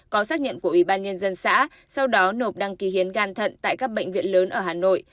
có xác nhận của ủy ban nhân dân xã sau đó nộp đăng ký hiến gan thận tại các bệnh viện lớn ở hà nội